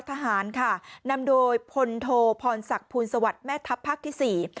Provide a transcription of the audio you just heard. ทหารค่ะนำโดยพลโทพรศักดิ์ภูลสวัสดิ์แม่ทัพภาคที่สี่